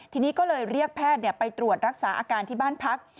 ทีนี้ก็เลยเรียกแพทย์ไปตรวจรักษาอาการที่บ้านพัก